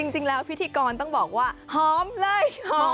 จริงแล้วพิธีกรต้องบอกว่าหอมเลยหอม